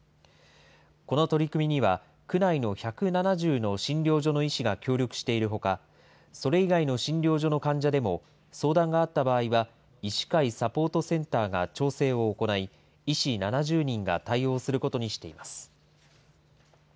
この取り組みには、区内の１７０の診療所の医師が協力しているほか、それ以外の診療所の患者でも、相談があった場合は、医師会サポートセンターが調整を行い、医師７０人が対応することにしています。